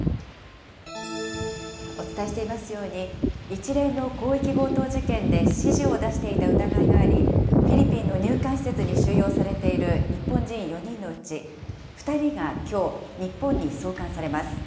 お伝えしていますように、一連の広域強盗事件で指示を出していた疑いがあり、フィリピンの入管施設に収容されている日本人４人のうち、２人がきょう、日本に送還されます。